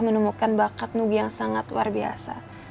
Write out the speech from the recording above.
menemukan bakat nubi yang sangat luar biasa